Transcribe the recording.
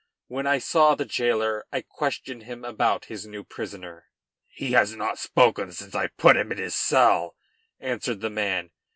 When I saw the jailer I questioned him about his new prisoner. "He has not spoken since I put him in his cell," answered the man.